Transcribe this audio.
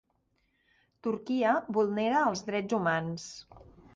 Turquia vulnera els drets humans